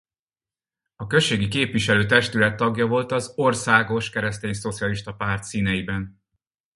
A községi képviselőtestület tagja volt az Országos Keresztényszocialista Párt színeiben.